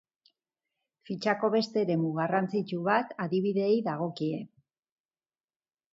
Fitxako beste eremu garrantzitsu bat adibideei dagokie.